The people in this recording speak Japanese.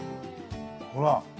ほら。